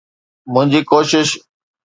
منهنجي ڪوشش